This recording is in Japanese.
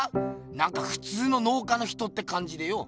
なんかふつうの農家の人ってかんじでよ。